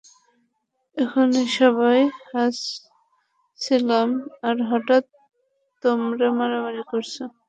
এখুনি সবাই হাসছিলাম আর হঠাৎ তোমরা মারামারি করছ।